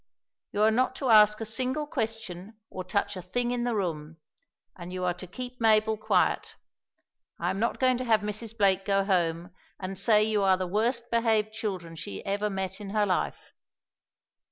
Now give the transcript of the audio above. You are not to ask a single question or touch a thing in the room, and you are to keep Mabel quiet. I am not going to have Mrs. Blake go home and say you are the worst behaved children she ever met in her life.